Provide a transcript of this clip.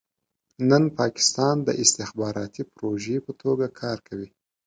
نن پاکستان د استخباراتي پروژې په توګه کار کوي.